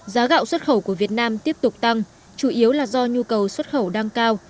giá gạo xuất khẩu của việt nam tiếp tục tăng chủ yếu là do nhu cầu xuất khẩu đang cao